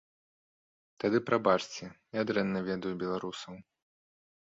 Тады, прабачце, я дрэнна ведаю беларусаў.